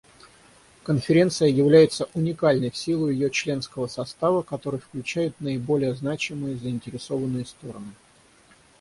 Конференция является уникальной в силу ее членского состава, который включает наиболее значимые заинтересованные стороны.